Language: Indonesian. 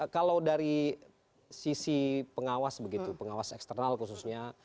kalau dari sisi pengawas begitu pengawas eksternal khususnya